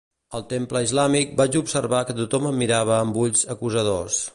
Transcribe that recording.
Al temple islàmic vaig observar que tothom em mirava amb ulls acusadors.